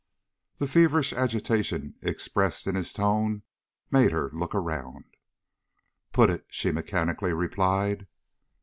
The feverish agitation expressed in his tone made her look around. "Put it," she mechanically replied.